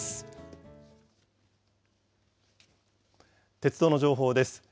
鉄道の情報です。